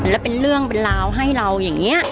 แล้วเป็นเรื่องเป็นราวให้เราอย่างนี้